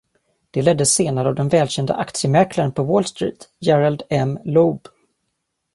Det leddes senare av den välkände aktiemäklaren på Wall Street, Gerald M. Loeb.